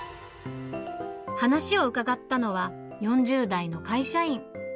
話を伺ったのは、４０代の会社員。